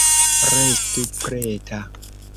Restu preta.